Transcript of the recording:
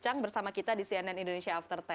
berang bersama kita di cnn indonesia after sepuluh